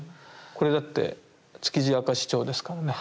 これだって「築地明石町」ですからね。